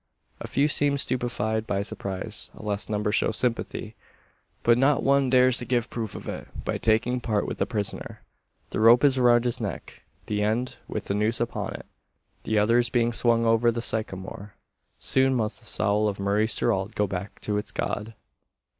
A few seem stupefied by surprise; a less number show sympathy; but not one dares to give proof of it, by taking part with the prisoner. The rope is around his neck the end with the noose upon it. The other is being swung over the sycamore. "Soon must the soul of Maurice Gerald go back to its God!"